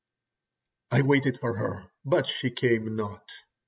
I waited for her, but she came not.